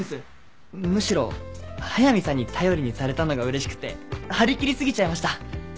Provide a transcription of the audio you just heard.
むしろ速見さんに頼りにされたのがうれしくて張り切り過ぎちゃいました。